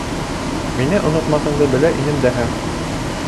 — Мине онотмаҫыңды белә инем дәһә!